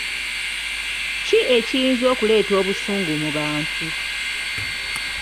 Ki ekiyinza okuleeta obusungu mu bantu?